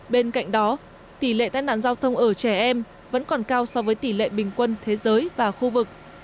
bên cạnh đó tỷ lệ tai nạn giao thông ở trẻ em vẫn còn cao so với tỷ lệ bình quân thế giới và khu vực